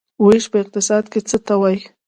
ویش په اقتصاد کې څه ته وايي؟